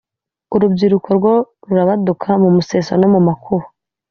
urubyiruko rwo rurabaduka mumuseso no mumakuba